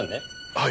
はい。